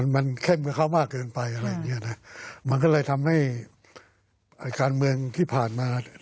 มันเข้มกับเขามากเกินไปอะไรอย่างเงี้ยนะมันก็เลยทำให้การเมืองที่ผ่านมาเนี่ย